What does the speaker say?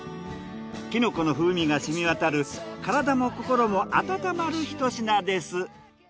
きのこの風味が染み渡る体も心も温まる一品です。